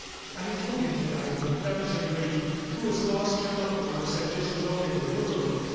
I have told him that I am a Beigian lady who has lost her loved ones and is alone in the world.